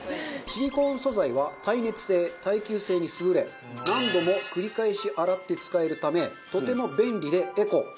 シリコン素材は耐熱性耐久性に優れ何度も繰り返し洗って使えるためとても便利でエコ。